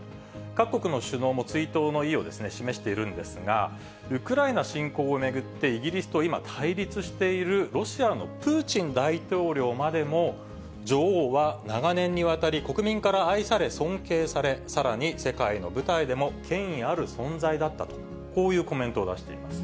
各国の首脳も追悼の意を示しているんですが、ウクライナ侵攻を巡ってイギリスと今対立しているロシアのプーチン大統領までも、女王は長年にわたり国民から愛され、尊敬され、さらに世界の舞台でも権威ある存在だったと、こういうコメントを出しています。